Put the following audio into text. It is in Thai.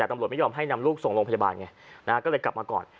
แต่ตำรวจไม่ยอมให้นำลูกส่งโรงพยาบาลไงก็เลยกลับมาก่อน